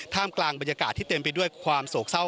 กลางบรรยากาศที่เต็มไปด้วยความโศกเศร้า